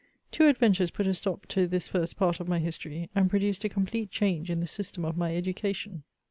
Two adventures put a stop to this first part of my history, and produced a complete change in the system of my educa tion.